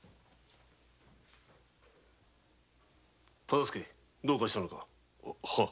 忠相どうかしたのか？